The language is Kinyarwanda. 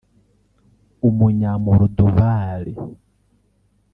Umunya-Moldoval